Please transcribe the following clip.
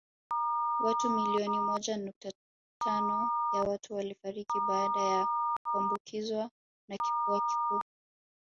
Watu milioni moja nukta tano ya watu walifariki baada ya kuambukizwa na kifua kikuu